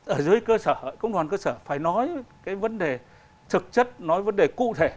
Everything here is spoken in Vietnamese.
ở dưới cơ sở công đoàn cơ sở phải nói cái vấn đề thực chất nói vấn đề cụ thể